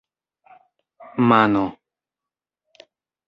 mano